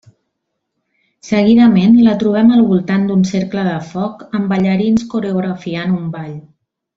Seguidament, la trobem al voltant d'un cercle de foc amb ballarins coreografiant un ball.